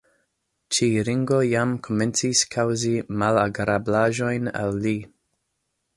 Ĉi ringo jam komencis kaŭzi malagrablaĵojn al li.